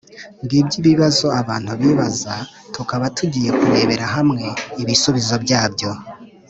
ngibyo ibibazo abantu bibaza, tukaba tugiye kurebera hamwe ibisubizo byabyo.